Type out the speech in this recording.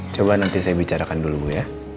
coba nanti saya bicarakan dulu bu ya